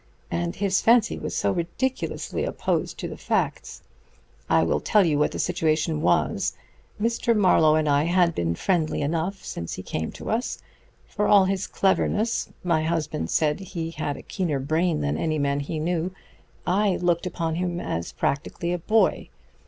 And his fancy was so ridiculously opposed to the facts. I will tell you what the situation was. Mr. Marlowe and I had been friendly enough since he came to us. For all his cleverness my husband said he had a keener brain than any man he knew I looked upon him as practically a boy.